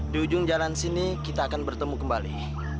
di ujung jalan sini kita akan bertemu kembali